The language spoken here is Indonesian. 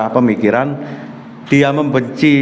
pemikiran dia membenci